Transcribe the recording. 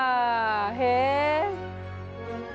へえ。